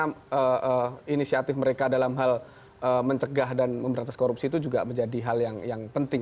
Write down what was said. karena inisiatif mereka dalam hal mencegah dan memberantas korupsi itu juga menjadi hal yang penting